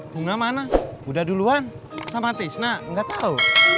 bunga mana udah duluan sama tisna nggak tahu